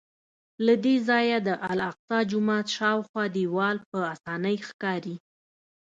له دې ځایه د الاقصی جومات شاوخوا دیوال په اسانۍ ښکاري.